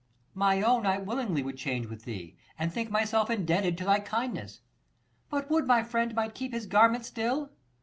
My own I willingly would change with thee, And think myself indebted to thy kindness : But would my friend might keep his garment still.